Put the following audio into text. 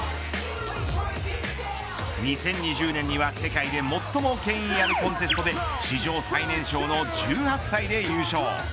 ２０２０年には世界で最も権威あるコンテストで史上最年少の１８歳で優勝。